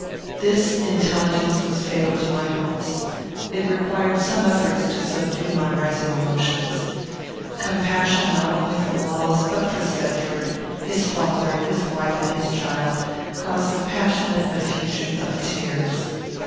This intelligence was fatal to my hopes. It required some efforts to subdue my rising emotions. Compassion not only for Wallace, but for Thetford, his father, his wife and his child, caused a passionate effusion of tears.